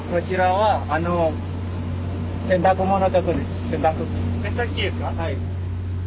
はい。